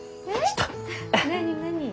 何何？